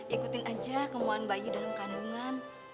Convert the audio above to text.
ikutin aja kemuan bayi dalam kandungan